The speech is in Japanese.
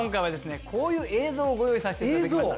こういう映像をご用意させて頂きました。